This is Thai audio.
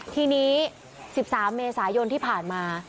ทีนี้๑๓เมษายนที่ผ่านมา